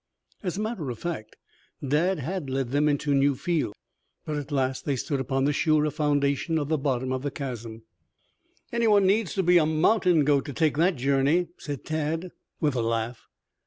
As a matter of fact, Dad had led them into new fields. But at last they stood upon the surer foundation of the bottom of the chasm. "Anyone needs to be a mountain goat to take that journey," said Tad, with a laugh.